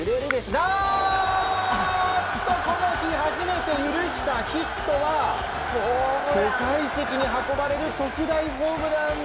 何と、この日初めて許したヒットは５階席に運ばれる特大ホームラン！